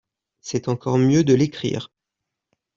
C’est encore mieux de l’écrire